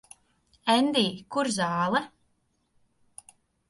Endij, kur zāle?